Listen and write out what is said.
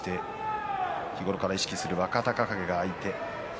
日頃から意識している若隆景が相手です。